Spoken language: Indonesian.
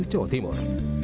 di jawa timur